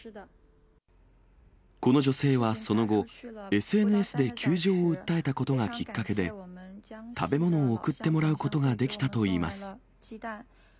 この女性はその後、ＳＮＳで窮状を訴えたことがきっかけで、食べ物を送ってもらうことができたといいます。